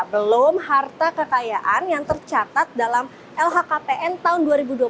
belum harta kekayaan yang tercatat dalam lhkpn tahun dua ribu dua puluh